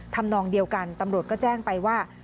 นองเดียวกันตำรวจก็แจ้งไปว่า